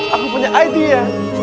aku punya idea